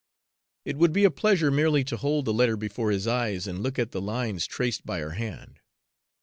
It would be a pleasure merely to hold the letter before his eyes and look at the lines traced by her hand.